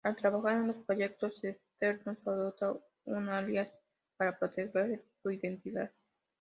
Al trabajar en los proyectos externos, adopta un alias para proteger su identidad.